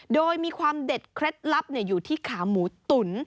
โดยมีความเด็ดเคล็ดลับอยู่ที่ขาหมูตุ๋น